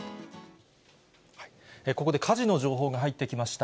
ここで火事の情報が入ってきました。